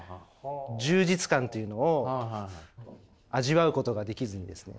充実感というのを味わうことができずにですね